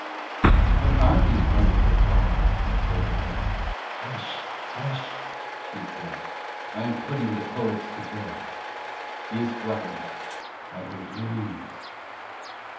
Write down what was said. "What are these wonderful flowers?" I said to her. "Hush! Hush!" she said, "I am putting the poets to bed. These flowers are their dreams."